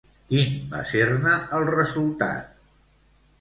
Quin va ser-ne el resultat?